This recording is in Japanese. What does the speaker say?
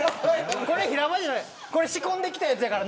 これ仕込んできたやつやから。